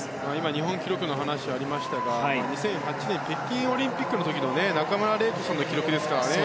日本記録の話がありましたが２００８年北京オリンピックの時の中村礼子さんの記録ですからね。